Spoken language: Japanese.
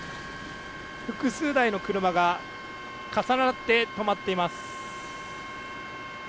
複数台の車が重なって止まっています。